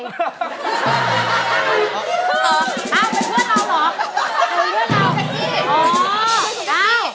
เป็นเพื่อนเรา